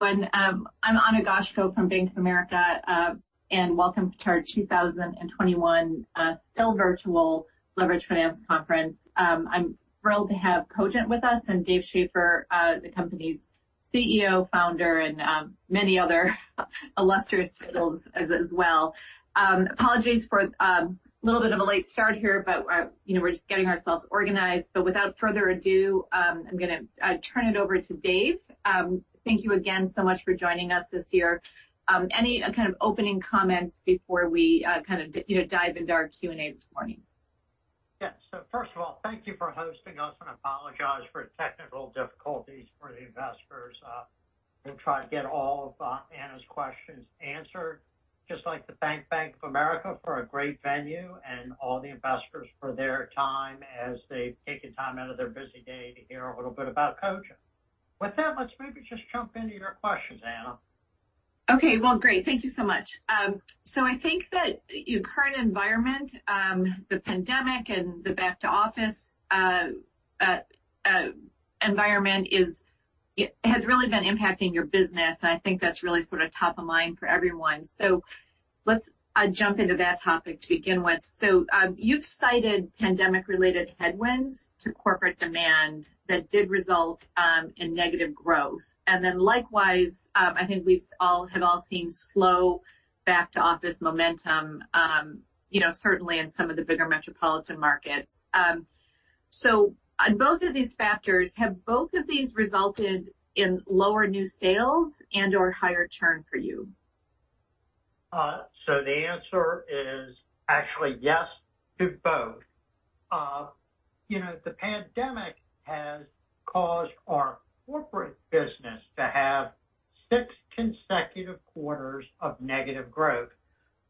I'm Ana Goshko from Bank of America, and welcome to Bank of America 2021 Leveraged Finance Virtual Conference, still virtual. I'm thrilled to have Cogent with us and Dave Schaeffer, the company's CEO, founder, and many other illustrious titles as well. Apologies for a little bit of a late start here, but you know, we're just getting ourselves organized. Without further ado, I'm gonna turn it over to Dave. Thank you again so much for joining us this year. Any kind of opening comments before we kind of, you know, dive into our Q&A this morning? Yeah. First of all, thank you for hosting us, and apologize for technical difficulties for the investors. We'll try to get all of Ana's questions answered. Just like to thank Bank of America for a great venue and all the investors for their time as they've taken time out of their busy day to hear a little bit about Cogent. With that, let's maybe just jump into your questions, Ana. Okay. Well, great. Thank you so much. I think that your current environment, the pandemic and the back to office environment has really been impacting your business, and I think that's really sort of top of mind for everyone. Let's jump into that topic to begin with. You've cited pandemic-related headwinds to corporate demand that did result in negative growth. Likewise, I think we have all seen slow back to office momentum, you know, certainly in some of the bigger metropolitan markets. On both of these factors, have both of these resulted in lower new sales and/or higher churn for you? The answer is actually yes to both. You know, the pandemic has caused our corporate business to have six consecutive quarters of negative growth.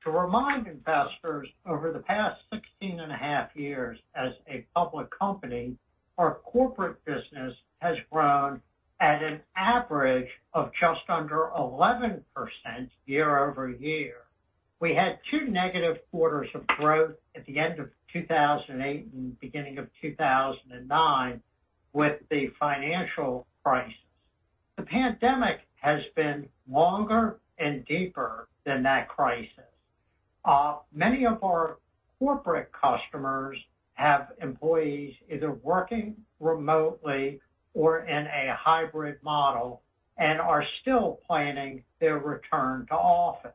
To remind investors, over the past 16.5 years as a public company, our corporate business has grown at an average of just under 11% year-over-year. We had two negative quarters of growth at the end of 2008 and beginning of 2009 with the financial crisis. The pandemic has been longer and deeper than that crisis. Many of our corporate customers have employees either working remotely or in a hybrid model and are still planning their return to office.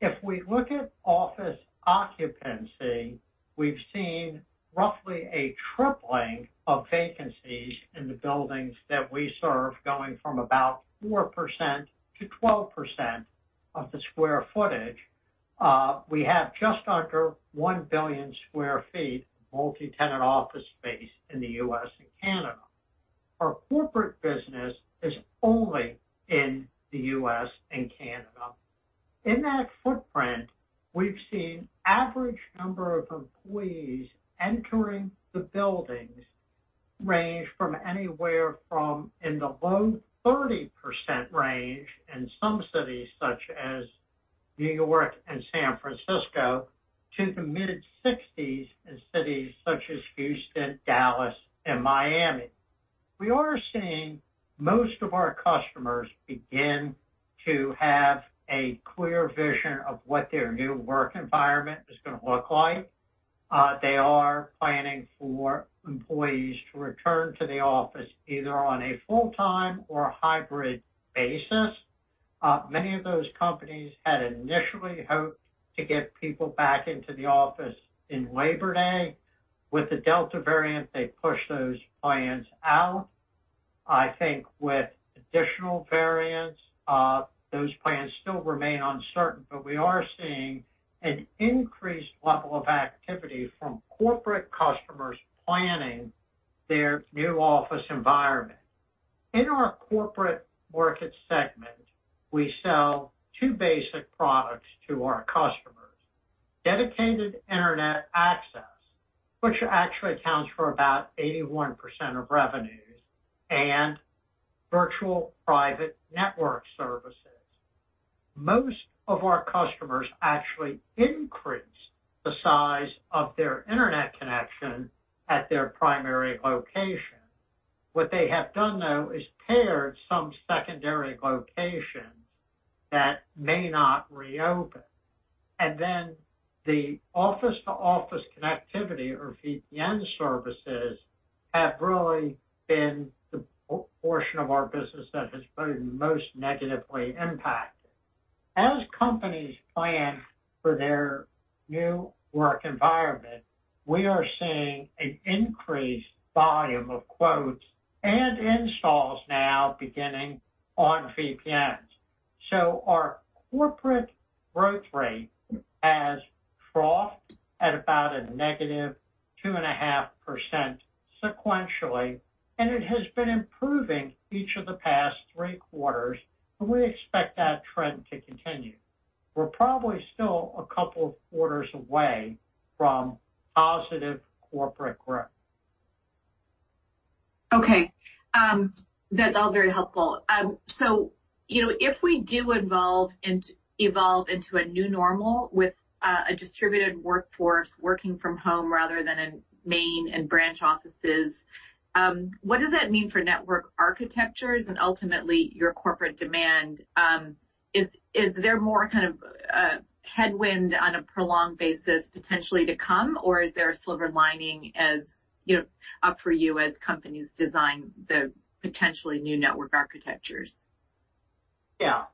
If we look at office occupancy, we've seen roughly a tripling of vacancies in the buildings that we serve, going from about 4%-12% of the square footage. We have just under 1 billion sq ft multi-tenant office space in the U.S. and Canada. Our corporate business is only in the U.S. and Canada. In that footprint, we've seen average number of employees entering the buildings range from anywhere from in the low 30% range in some cities, such as New York and San Francisco, to the mid-60s in cities such as Houston, Dallas, and Miami. We are seeing most of our customers begin to have a clear vision of what their new work environment is gonna look like. They are planning for employees to return to the office either on a full-time or hybrid basis. Many of those companies had initially hoped to get people back into the office in Labor Day. With the Delta variant, they pushed those plans out. I think with additional variants, those plans still remain uncertain, but we are seeing an increased level of activity from corporate customers planning their new office environment. In our corporate market segment, we sell two basic products to our customers: dedicated Internet access, which actually accounts for about 81% of revenues, and virtual private network services. Most of our customers actually increase the size of their Internet connection at their primary location. What they have done, though, is pare some secondary locations that may not reopen. The office-to-office connectivity or VPN services have really been the portion of our business that has been most negatively impacted. As companies plan for their new work environment, we are seeing an increased volume of quotes and installs now beginning on VPNs. Our corporate growth rate has troughed at about -2.5% sequentially, and it has been improving each of the past three quarters, and we expect that trend to continue. We're probably still a couple of quarters away from positive corporate growth. Okay. That's all very helpful. So, you know, if we do evolve into a new normal with a distributed workforce working from home rather than in main and branch offices, what does that mean for network architectures and ultimately your corporate demand? Is there more kind of headwind on a prolonged basis potentially to come, or is there a silver lining as, you know, upside for you as companies design the potentially new network architectures? Yeah.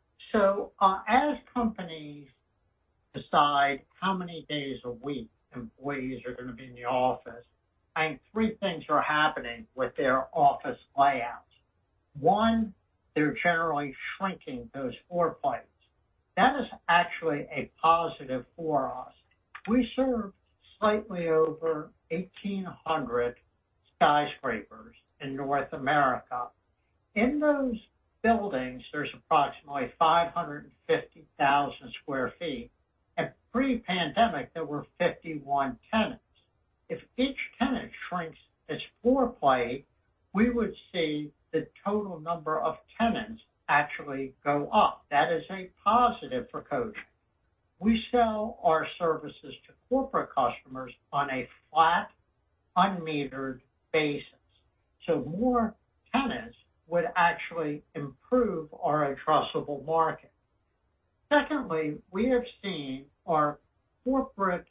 As companies decide how many days a week employees are gonna be in the office, I think three things are happening with their office layouts. One, they're generally shrinking those floor plates. That is actually a positive for us. We serve slightly over 1,800 skyscrapers in North America. In those buildings, there's approximately 550,000 sq ft. At pre-pandemic, there were 51 tenants. If each tenant shrinks its floor plate, we would see the total number of tenants actually go up. That is a positive for Cogent. We sell our services to corporate customers on a flat, unmetered basis, so more tenants would actually improve our addressable market. Secondly, we have seen our corporate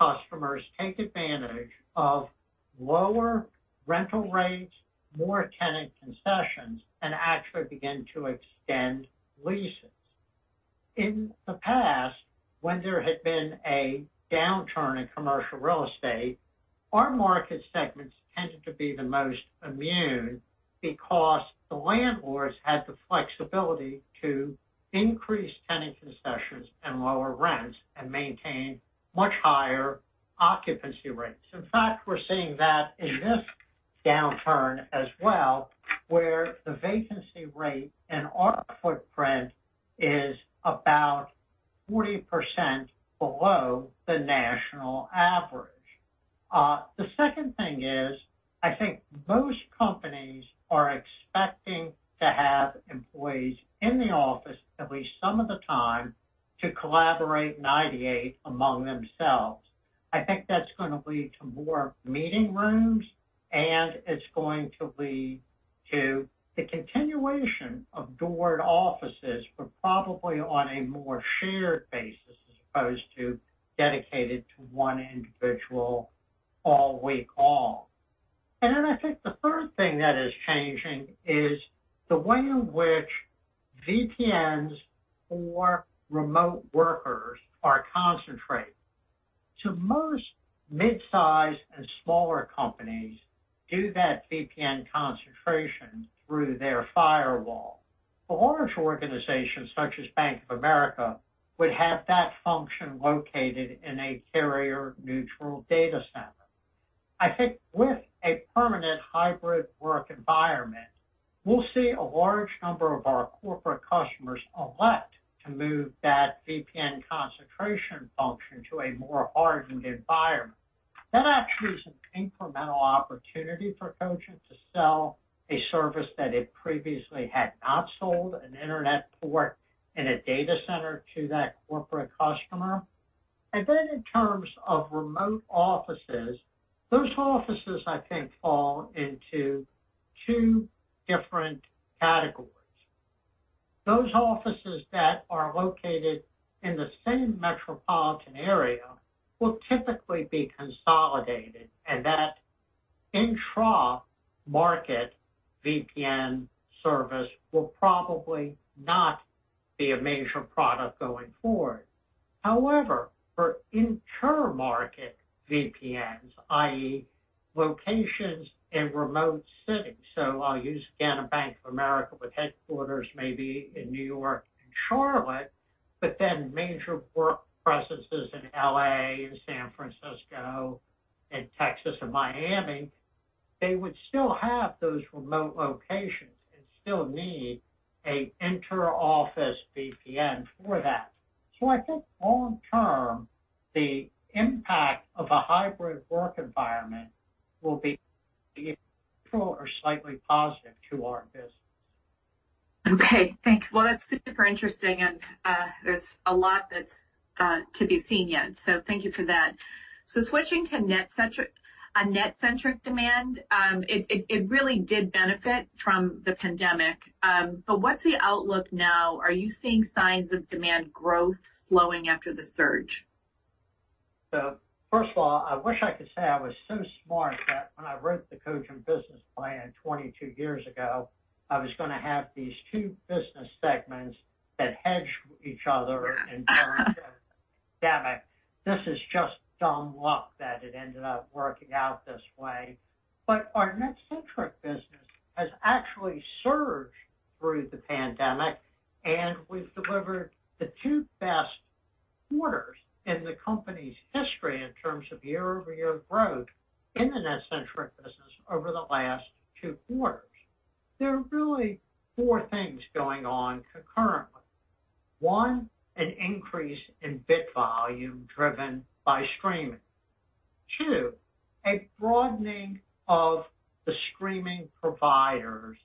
customers take advantage of lower rental rates, more tenant concessions, and actually begin to extend leases. In the past, when there had been a downturn in commercial real estate, our market segments tended to be the most immune because the landlords had the flexibility to increase tenant concessions and lower rents and maintain much higher occupancy rates. In fact, we're seeing that in this downturn as well, where the vacancy rate in our footprint is about 40% below the national average. The second thing is, I think most companies are expecting to have employees in the office at least some of the time to collaborate and ideate among themselves. I think that's gonna lead to more meeting rooms, and it's going to lead to the continuation of doored offices, but probably on a more shared basis, as opposed to dedicated to one individual all week long. I think the third thing that is changing is the way in which VPNs for remote workers are concentrated. Most mid-size and smaller companies do that VPN concentration through their firewall. The largest organizations, such as Bank of America, would have that function located in a carrier-neutral data center. I think with a permanent hybrid work environment, we'll see a large number of our corporate customers elect to move that VPN concentration function to a more hardened environment. That actually is an incremental opportunity for Cogent to sell a service that it previously had not sold, an internet port in a data center to that corporate customer. In terms of remote offices, those offices, I think, fall into two different categories. Those offices that are located in the same metropolitan area will typically be consolidated, and that intra-market VPN service will probably not be a major product going forward. However, for intermarket VPNs, i.e., locations in remote cities, so I'll use again, a Bank of America with headquarters maybe in New York and Charlotte, but then major work processes in L.A. and San Francisco and Texas or Miami, they would still have those remote locations and still need a interoffice VPN for that. I think long term, the impact of a hybrid work environment will be neutral or slightly positive to our business. Okay. Thanks. Well, that's super interesting, and there's a lot that's to be seen yet, so thank you for that. Switching to NetCentric, a NetCentric demand, it really did benefit from the pandemic. But what's the outlook now? Are you seeing signs of demand growth slowing after the surge? First of all, I wish I could say I was so smart that when I wrote the Cogent business plan 22 years ago, I was gonna have these two business segments that hedge each other in terms of the pandemic. This is just dumb luck that it ended up working out this way. Our NetCentric business has actually surged through the pandemic, and we've delivered the two best quarters in the company's history in terms of year-over-year growth in the NetCentric business over the last two quarters. There are really four things going on concurrently. One, an increase in bit volume driven by streaming. Two, a broadening of the streaming providers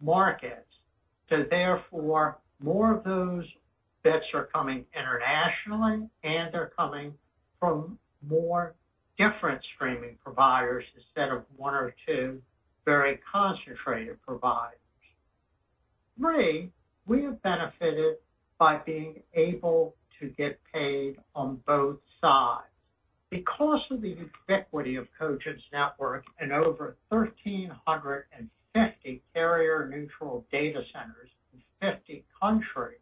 markets. Therefore, more of those bits are coming internationally, and they're coming from more different streaming providers instead of one or two very concentrated providers. Three, we have benefited by being able to get paid on both sides. Because of the ubiquity of Cogent's network in over 1,350 carrier-neutral data centers in 50 countries,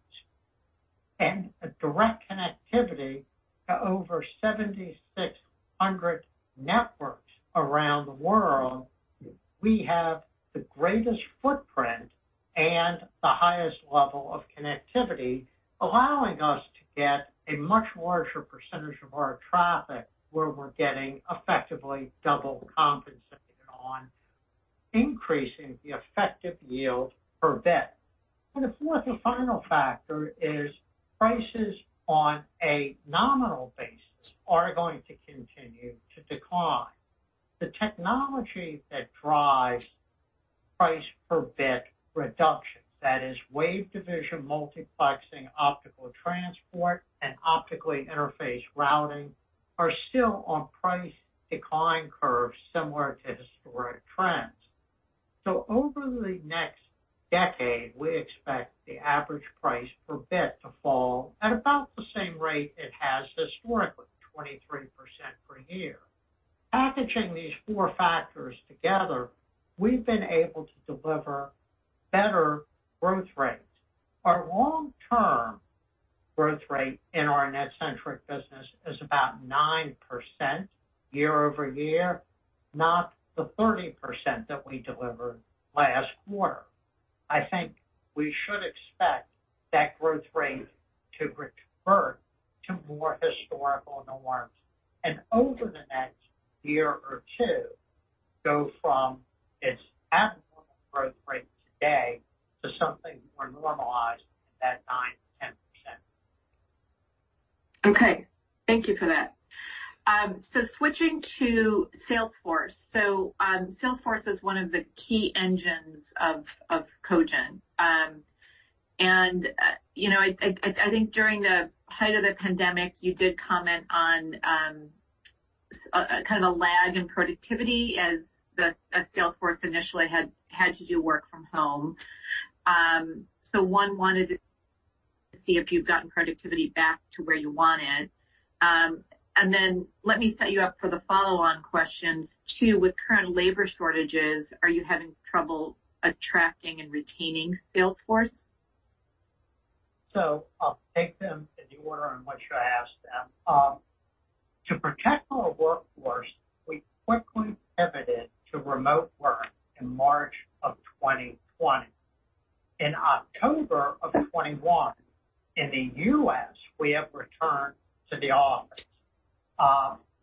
and a direct connectivity to over 7,600 networks around the world, we have the greatest footprint and the highest level of connectivity, allowing us to get a much larger percentage of our traffic where we're getting effectively double compensated on increasing the effective yield per bit. The fourth and final factor is prices on a nominal basis are going to continue to decline. The technology that drives price per bit reduction, that is wavelength division multiplexing, optical transport, and optically interfaced routing, are still on price decline curves similar to historic trends. Over the next decade, we expect the average price per bit to fall at about the same rate it has historically, 23% per year. Packaging these four factors together, we've been able to deliver better growth rates. Our long term growth rate in our NetCentric business is about 9% year-over-year, not the 30% that we delivered last quarter. I think we should expect that growth rate to revert to more historical norms. Over the next year or two, go from its abnormal growth rate today to something more normalized at that 9%-10%. Okay. Thank you for that. Switching to sales force. Sales force is one of the key engines of Cogent. You know, I think during the height of the pandemic, you did comment on kind of a lag in productivity as sales force initially had to do work from home. I wanted to see if you've gotten productivity back to where you want it. Let me set you up for the follow on questions. Two, with current labor shortages, are you having trouble attracting and retaining sales force? I'll take them in the order in which you asked them. To protect our workforce, we quickly pivoted to remote work in March 2020. In October 2021, in the U.S., we have returned to the office.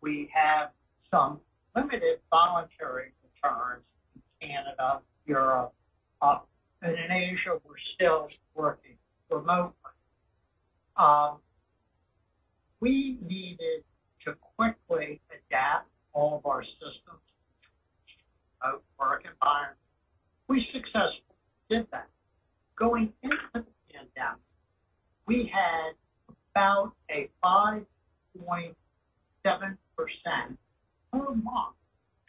We have some limited voluntary returns in Canada, Europe. In Asia, we're still working remotely. We needed to quickly adapt all of our systems to a remote work environment. We successfully did that. Going into the pandemic, we had about a 5.7% per month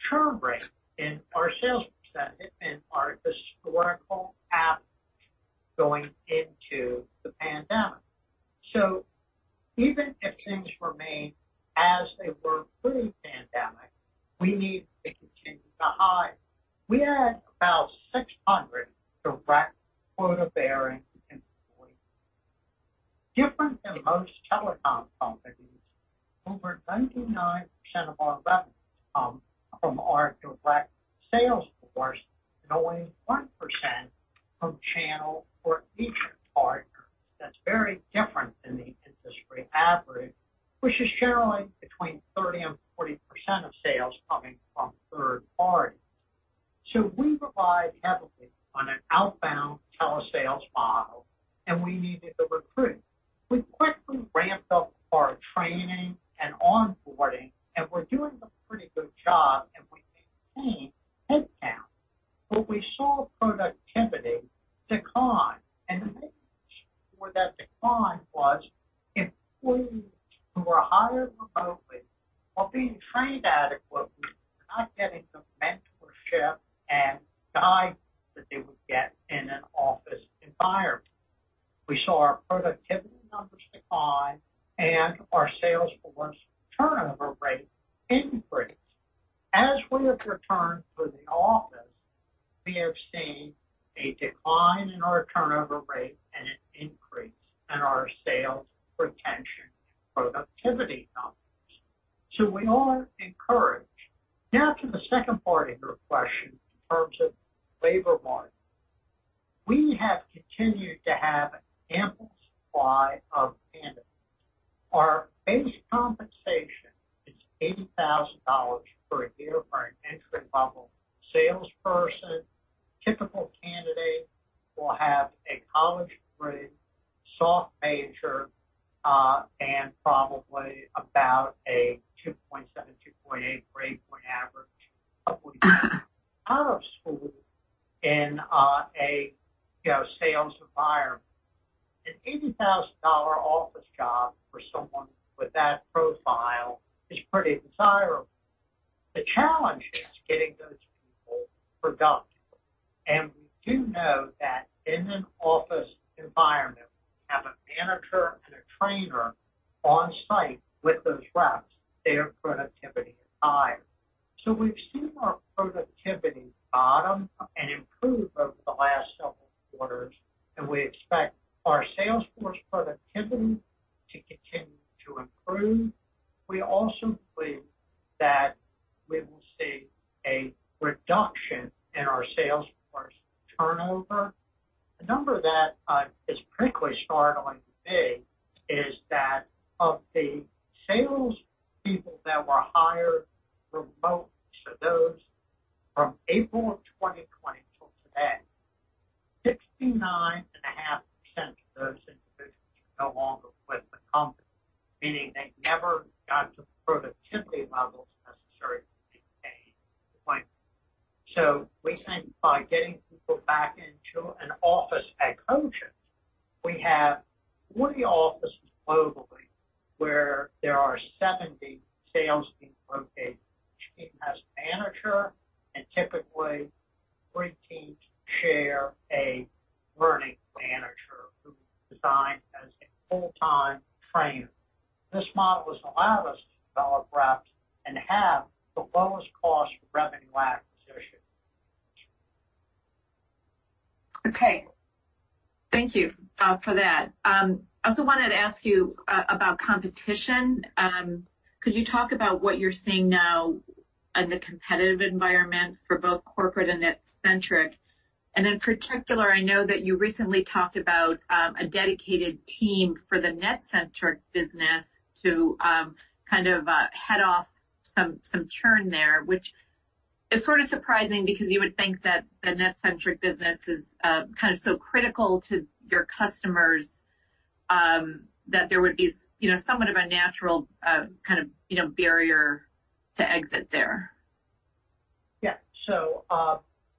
churn rate in our sales percentage in our historical average going into the pandemic. Even if things remained as they were pre-pandemic, we needed to continue to hire. We had about 600 direct quota-bearing employees. Different than most telecom companies, over 99% of our revenue come from our direct sales force and only 1% from channel or agent partners. That's very different than the industry average, which is generally between 30% and 40% of sales coming from third parties. We rely heavily and an increase in our sales retention productivity numbers. We are encouraged. Now to the second part of your question in terms of labor market. We have continued to have ample supply of candidates. Our base compensation is $80,000 per year for an entry level salesperson. A typical candidate will have a college degree, soft major, and probably about a 2.7, 2.8 grade point average. Out of school in a, you know, sales environment. An $80,000 office job for someone with that profile is pretty desirable. The challenge is getting those people productive. We do know that in an office environment, have a manager and a trainer on site with those reps, their productivity is high. We've seen our productivity bottom and improve over the last several quarters, and we expect our sales force productivity to continue to improve. We also believe that we will see a reduction in our sales force turnover. The number that is particularly startling to me is that of the salespeople that were hired remotely, so those from April of 2020 till today, 69.5% of those individuals are no longer with the company, meaning they never got to productivity levels necessary to be paid. We think by getting people back into an office at Cogent, we have 40 offices globally where there are 70 salespeople located. Each team has a manager, and typically three teams share a learning manager who's designed as a full-time trainer. This model has allowed us to develop reps and have the lowest cost of revenue acquisition. Okay. Thank you for that. I also wanted to ask you about competition. Could you talk about what you're seeing now in the competitive environment for both corporate and NetCentric? In particular, I know that you recently talked about a dedicated team for the NetCentric business to kind of head off some churn there, which is sort of surprising because you would think that the NetCentric business is kind of so critical to your customers that there would be you know, somewhat of a natural kind of barrier to exit there. Yeah.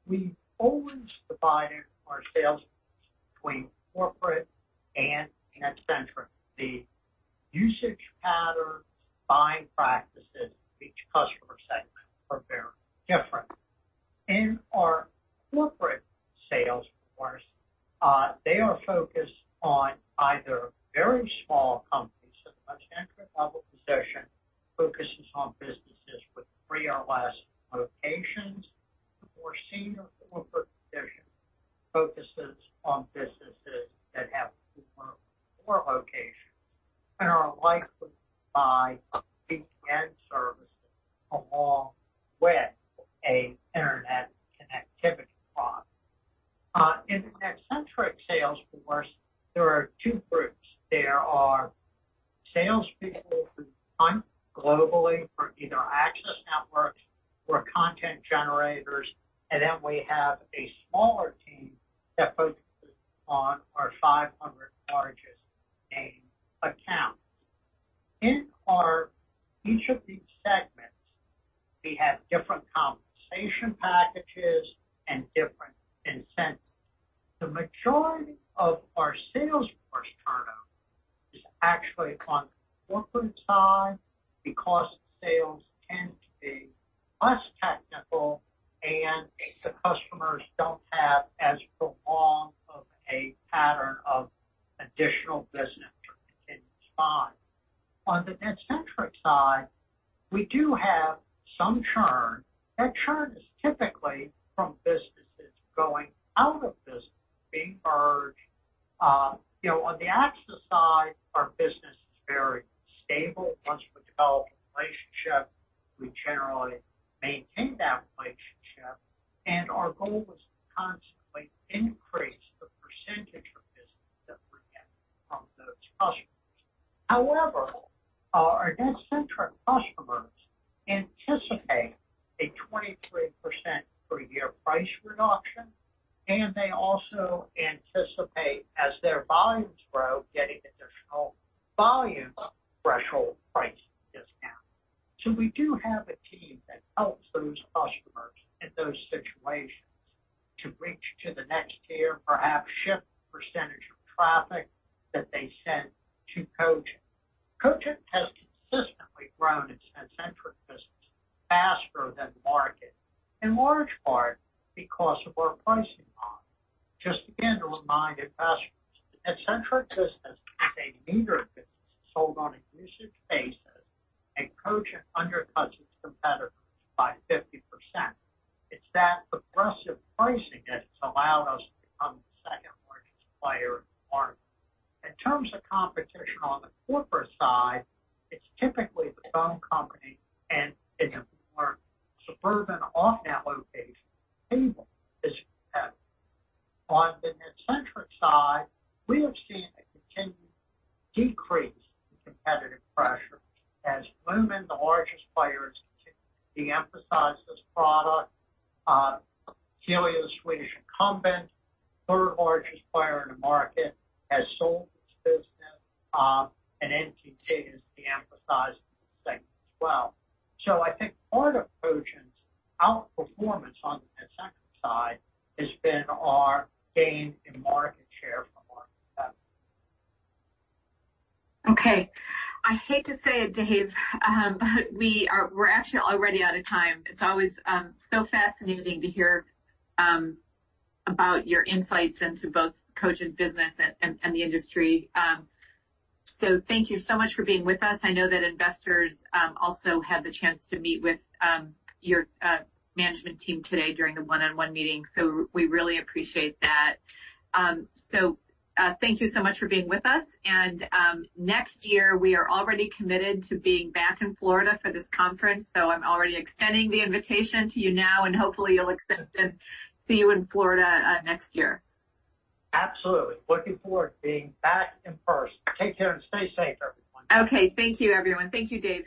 We've always divided our sales force between corporate and NetCentric. The usage patterns, buying practices of each customer segment are very different. In our corporate sales force, they are focused on either very small companies. The most entry-level position focuses on businesses with three or less locations. The more senior corporate position focuses on businesses that have four locations and are likely to buy VPN and data services along with an Internet connectivity product. In the NetCentric sales force, there are two groups. There are salespeople who hunt globally for either access networks or content generators. We have a smaller team that focuses on our 500 largest name accounts. Each of these segments, we have different compensation packages and different incentives. The majority of our sales force turnover is actually on the corporate side because sales tend to be less technical, and the customers don't have as prolonged of a pattern of additional business to continue to buy. On the NetCentric side, we do have some churn. That churn is typically from businesses going out of business, being merged. You know, on the access side, our business is very stable. Once we develop a relationship, we generally maintain that relationship, and our goal is to constantly increase the percentage of business that we get from those customers. However, our NetCentric customers anticipate a 23% per year price reduction, and they also anticipate, as their volumes grow, getting additional volume threshold price discount. We do have a team that helps those customers in those situations to reach to the next tier, perhaps shift the percentage of traffic that they send to Cogent. Cogent has consistently grown its NetCentric business faster than the market, in large part because of our pricing model. Just again to remind investors, the NetCentric business is a meter business sold on a usage basis, and Cogent undercuts its competitors by 50%. It's that aggressive pricing that has allowed us to become the second-largest player in the market. In terms of competition, on the corporate side, it's typically the phone company, and it's more suburban off-network base table is competitive. On the NetCentric side, we have seen a continued decrease in competitive pressure. As Lumen, the largest player, has continued to de-emphasize this product. Telia, the Swedish incumbent, third-largest player in the market, has sold its business. NTT has de-emphasized the segment as well. I think part of Cogent's outperformance on the NetCentric side has been our gain in market share from our competitors. Okay. I hate to say it Dave, but we're actually already out of time. It's always so fascinating to hear about your insights into both Cogent business and the industry. So thank you so much for being with us. I know that investors also had the chance to meet with your management team today during the one-on-one meeting. So we really appreciate that. So thank you so much for being with us. Next year, we are already committed to being back in Florida for this conference, so I'm already extending the invitation to you now, and hopefully you'll accept it and see you in Florida next year. Absolutely. Looking forward to being back in person. Take care and stay safe, everyone. Okay. Thank you everyone. Thank you Dave.